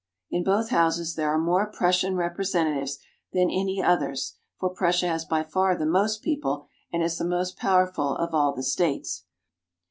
In both houses there are more Prussian representatives than any others, for Prussia has by far the most people and is the most powerful of all the states.